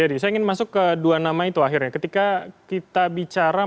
jadi sekali lagi plus minus yang dimiliki oleh tuhan